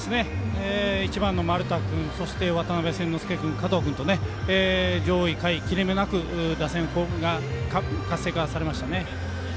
１番の丸田君そして渡邉千之亮君加藤君、上位、下位、切れ目なく打線が活性化されましたね。